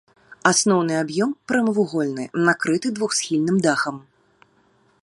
Асноўны аб'ём прамавугольны, накрыты двухсхільным дахам.